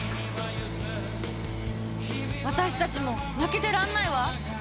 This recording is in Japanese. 私たちも負けてらんないわ！